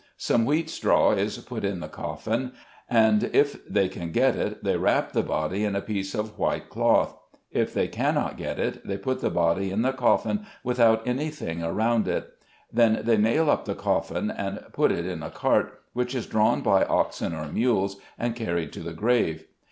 Some wheat straw is put in the coffin, and if they can get it, they wrap the body in a piece of white cloth ; if they cannot get it, they put the body in the coffin without anything around it. Then they nail up the coffin, and put it in a cart, which is drawn by oxen or mules, and carried to the grave.